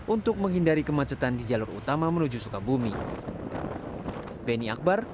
untuk menghindari kemacetan di jalur utama menuju sukabumi